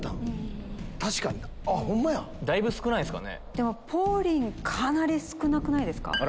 でもポーリンかなり少なくないですか？